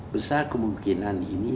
besar kemungkinan ini